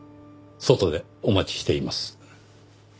外でお待ちしています。